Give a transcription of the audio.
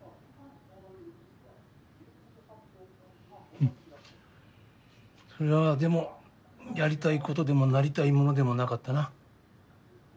フッそれはでもやりたいことでもなりたいものでもなかったな。